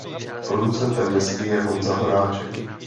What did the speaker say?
Producentem desky je Honza Horáček.